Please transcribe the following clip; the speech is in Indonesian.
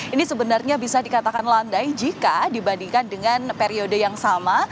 ini sebenarnya bisa dikatakan landai jika dibandingkan dengan periode yang sama